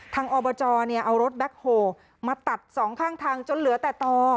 ทางออเบอร์จอเนี่ยเอารถแบคโฮล์มาตัดสองข้างทางจนเหลือแต่ต่อ